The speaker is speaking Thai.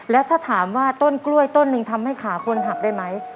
แล้วถ้าถามว่าต้นกล้วยต้นหนึ่งทำให้ขาคนหักได้ไหม